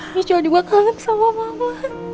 micho juga kangen sama mama